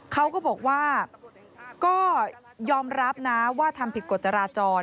เขาก็บอกว่าก็ยอมรับนะว่าทำผิดกฎจราจร